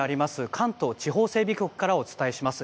関東地方整備局からお伝えします。